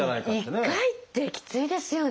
１時間に１回ってきついですよね。